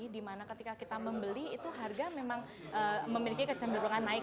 dimana ketika kita membeli itu harga memang memiliki kecenderungan naik